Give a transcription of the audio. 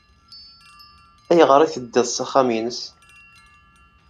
Ayɣer ay teddiḍ s axxam-nnes?